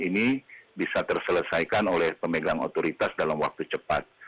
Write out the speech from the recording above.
ini bisa terselesaikan oleh pemegang otoritas dalam waktu cepat